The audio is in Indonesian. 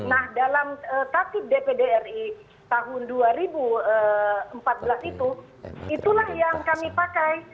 nah dalam tatib dpd ri tahun dua ribu empat belas itu itulah yang kami pakai